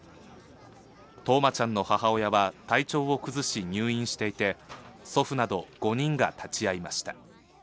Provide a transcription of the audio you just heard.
冬生ちゃんの母親は体調を崩し入院していて、祖父など５人が立ち会いました。